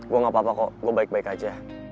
gue gak apa apa kok gue baik baik aja